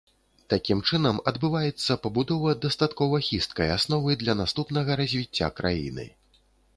Такім чынам адбываецца пабудова дастаткова хісткай асновы для наступнага развіцця краіны.